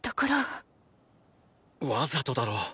わざとだろう。